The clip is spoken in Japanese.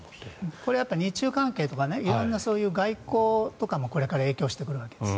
これは日中関係とか外交とかもこれから影響してくるわけです。